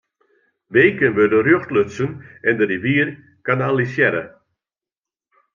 Beken wurde rjocht lutsen en de rivier kanalisearre.